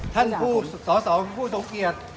ท่านผู้สอสอผู้ทรงเกียจ